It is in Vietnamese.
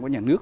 của nhà nước